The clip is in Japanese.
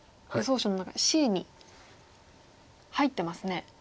手の中Ｃに入ってますね。